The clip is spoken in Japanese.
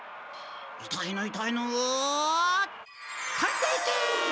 いたいのいたいのとんでいけ！